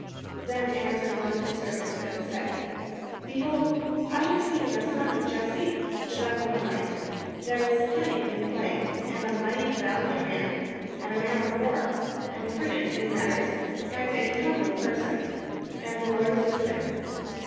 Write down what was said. Then answered one of the servants, and said: "Behold, I have seen a son of Jesse the Beth lehemite, that is cimning in playing, and a mighty vahant man, and a man of war, and prudent in matters, and a comely person, and the Lord is with him."